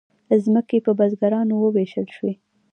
ځمکې په بزګرانو وویشل شوې.